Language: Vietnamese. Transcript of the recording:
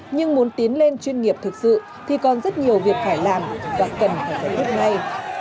nhưng muốn tiến lên chuyên nghiệp thực sự thì còn rất nhiều việc phải làm và cần phải giải quyết ngay